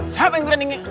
sape yang terlihin nih